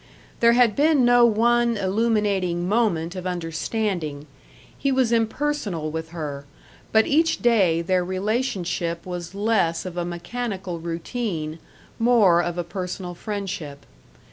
There had been no one illuminating moment of understanding; he was impersonal with her; but each day their relationship was less of a mechanical routine, more of a personal friendship.